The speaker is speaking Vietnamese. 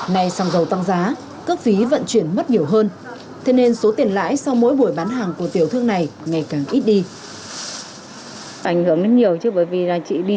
nay xăng dầu tăng giá cước phí vận chuyển mất nhiều hơn thế nên số tiền lãi sau mỗi buổi bán hàng của tiểu thương này ngày càng ít đi